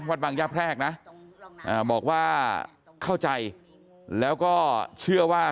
วัดบางย่าแพรกนะบอกว่าเข้าใจแล้วก็เชื่อว่า